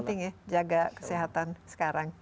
penting ya jaga kesehatan sekarang